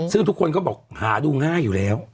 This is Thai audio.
ซึ่งทุกคนก็บอกหาดูง่ายอยู่แล้ว